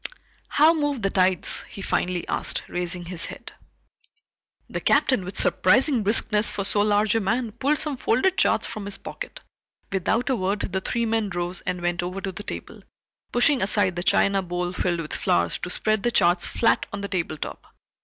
"How move the tides?" he finally asked, raising his head. The Captain, with surprising briskness for so large a man, pulled some folded charts from his pocket. Without a word the three men rose and went over to the table, pushing aside the china bowl filled with flowers to spread the charts flat on the table top.